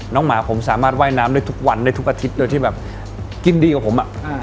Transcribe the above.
หมาผมสามารถว่ายน้ำได้ทุกวันได้ทุกอาทิตย์โดยที่แบบกินดีกว่าผมอ่ะ